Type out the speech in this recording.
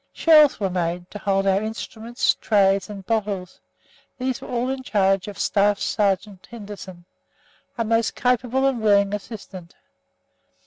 Shelves were made to hold our instruments, trays and bottles; these were all in charge of Staff Sergeant Henderson, a most capable and willing assistant.